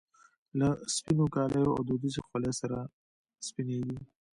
له سپینو کاليو او دودیزې خولۍ سره سپینږیری.